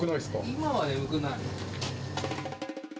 今は眠くない。